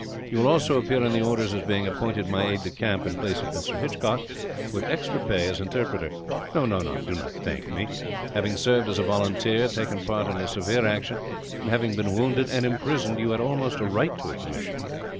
You will also appear in the orders as being appointed my aide de camp, in place of Mr. Hitchcock, with extra pay as interpreter. "No, do not thank me. Having served as a volunteer, taken part in a severe action, and having been wounded and imprisoned, you had almost a right to a commission.